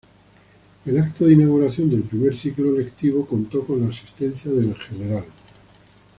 El acto de inauguración del primer ciclo lectivo contó con la asistencia del Gral.